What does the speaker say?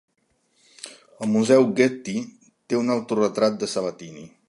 El museu Getty té un autoretrat de Sabatini.